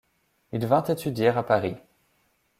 Il vint étudier à Paris.